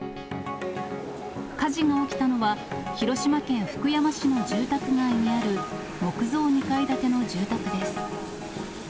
火事が起きたのは、広島県福山市の住宅街にある木造２階建ての住宅です。